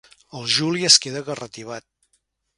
El Juli es queda garratibat.